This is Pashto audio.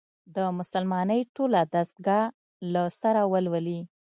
د «مسلمانۍ ټوله دستګاه» له سره ولولي.